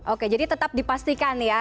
oke jadi tetap dipastikan ya